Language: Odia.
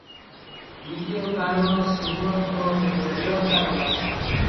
ଦ୍ୱିତୀୟ କାରଣ ଷ୍ଟିମର ଓ ରେଲର କାରବାର ।